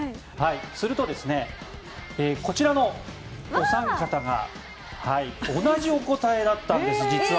すると、こちらのお三方が同じお答えだったんです。